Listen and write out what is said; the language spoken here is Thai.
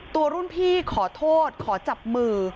ตัวรุ่นพี่ขอโทษขอจับมือ